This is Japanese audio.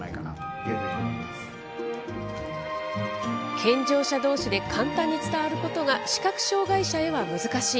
健常者どうしで簡単に伝わることが、視覚障害者へは難しい。